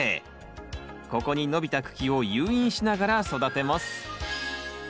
ここに伸びた茎を誘引しながら育てます。